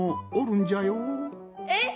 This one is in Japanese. えっ！？